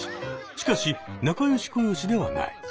しかし仲よし小よしではない。